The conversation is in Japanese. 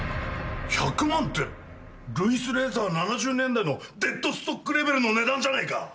１００万ってルイスレザー７０年代のデッドストックレベルの値段じゃねえか！